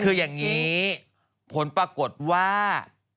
คืออย่างนี้ผลปรากฏว่า